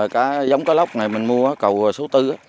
cá giống cá lóc này mình mua cầu số bốn